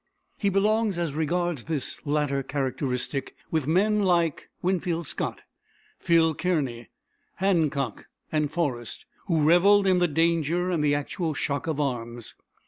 He belongs, as regards this latter characteristic, with the men like Winfield Scott, Phil Kearney, Hancock, and Forrest, who reveled in the danger and the actual shock of arms.